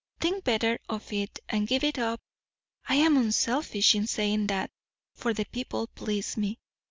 Think better of it and give it up! I am unselfish in saying that; for the people please me.